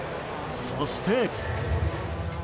そして。